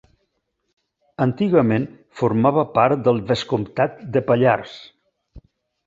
Antigament formava part del Vescomtat de Pallars.